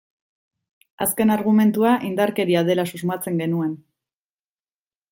Azken argumentua indarkeria dela susmatzen genuen.